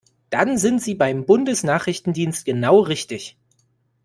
Dann sind Sie beim Bundesnachrichtendienst genau richtig!